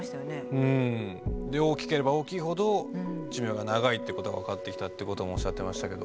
うん大きければ大きいほど寿命が長いってことが分かってきたってこともおっしゃってましたけど。